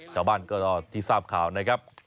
ชาวบ้านก็ที่ทราบข่าวนะครับ